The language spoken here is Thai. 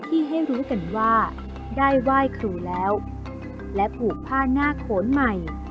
ที่ให้รู้กันว่าได้ไหว้ครูแล้วและผูกผ้าหน้าโขนใหม่